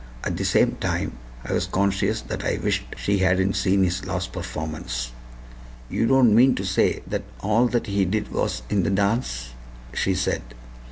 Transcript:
At the same time I was conscious that I wished she hadn't seen his last performance. "You don't mean to say that all that he did was in the dance?" she said.